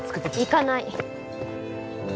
行かない